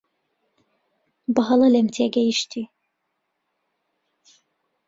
بەهەڵە لێم تێگەیشتی.